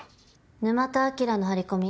沼田あきらの張り込み